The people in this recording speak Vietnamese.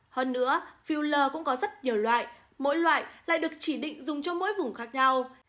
hơn nữa filler cũng có rất nhiều loại mỗi loại lại được chỉ định dùng cho mỗi vùng khác nhau